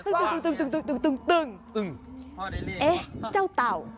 เอ๊เนี่ยเจ้าเต่า